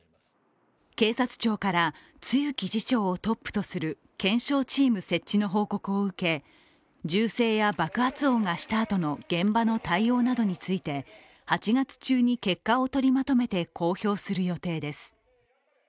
警察庁から露木次長をトップとする検証チーム設置の報告を受け、銃声や爆発音がしたあとの現場の対応などについて８月中に結果をとりまとめて公表する予定です。